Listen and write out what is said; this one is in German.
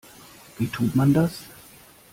Wie tut man das?